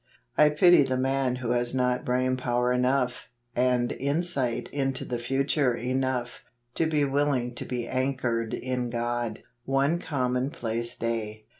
I pity the man who has not brain power enough, and insight into the future enough, to be willing to be anchored in God. One Commonplace Day.